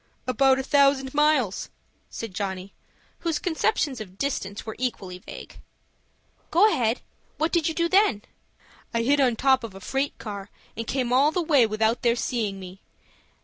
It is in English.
"About a thousand miles," said Johnny, whose conceptions of distance were equally vague. "Go ahead. What did you do then?" "I hid on top of a freight car, and came all the way without their seeing me.